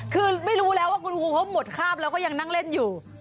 คือไม่รู้แล้วว่าคุณครูเขาหมดคาบแล้วก็ยังนั่งเล่นอยู่